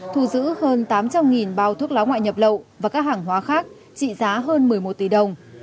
thu giữ hơn tám trăm linh bao thuốc lá ngoại nhập lậu và các hàng hóa khác trị giá hơn một mươi một tỷ đồng